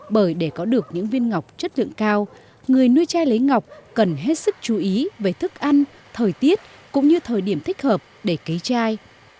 bởi để có được những viên ngọc chất lượng cao người nuôi chai lấy ngọc cần hết sức chú ý về thức ăn thời tiết cũng như thời điểm thích hợp để cấy chai